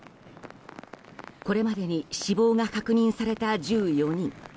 これまでに死亡が確認された１４人。